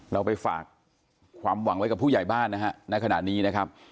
เราไปฝากความหวังไว้กับผู้ใหญ่บ้านนะฮะณขณะนี้นะครับ